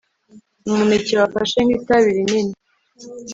umuneke wafashe nk'itabi rinini